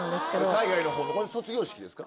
海外のほうのこれ卒業式ですか？